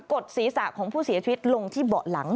ดศีรษะของผู้เสียชีวิตลงที่เบาะหลัง